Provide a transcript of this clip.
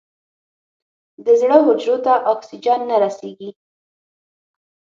د زړه حجرو ته اکسیجن نه رسېږي.